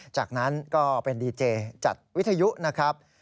จากนั้นก็เป็นดีเจจัดวิทยุนะครับ